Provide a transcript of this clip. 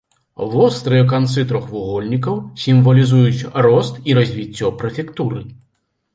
Вострыя канцы трохвугольнікаў сімвалізуюць рост і развіццё прэфектуры.